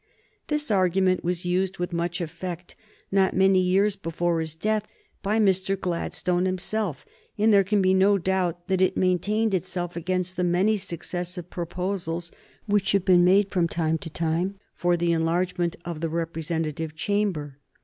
This argument was used with much effect, not many years before his death, by Mr. Gladstone himself, and there can be no doubt that it maintained itself against the many successive proposals which have been made from time to time for the enlargement of the representative chamber.